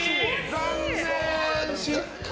残念、失敗！